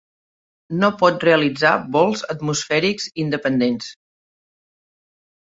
No pot realitzar vols atmosfèrics independents.